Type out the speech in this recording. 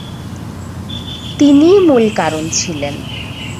তিনি মূল কারণ ছিলেন।